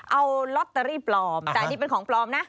เอาลอตเตอรี่ปลอมแต่อันนี้เป็นของปลอมนะ